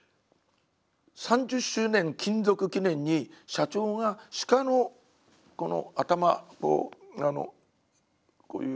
３０周年勤続記念に社長が鹿のこの頭のこういう。